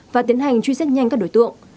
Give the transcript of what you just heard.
và tiến hành truy xét nhanh các đối tượng